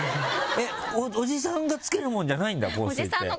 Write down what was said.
えっおじさんがつけるもんじゃないんだ？